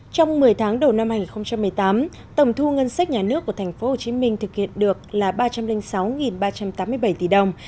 trong một mươi tháng đầu năm hai nghìn một mươi tám tổng thu ngân sách nhà nước của tp hcm thực hiện được là ba trăm linh sáu ba trăm tám mươi bảy tỷ đồng